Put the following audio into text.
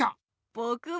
ぼくも。